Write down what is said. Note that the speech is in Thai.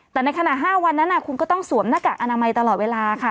แต่ในขณะ๕วันนั้นคุณก็ต้องสวมหน้ากากอนามัยตลอดเวลาค่ะ